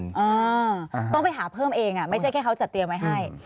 อ่าต้องไปหาเพิ่มเองอ่ะไม่ใช่แค่เขาจัดเตรียมไว้ให้